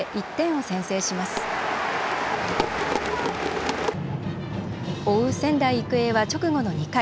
追う仙台育英は直後の２回。